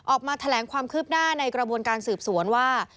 ออกมาแถลงความคืบหน้าในกระบวนการสืบสวนว่า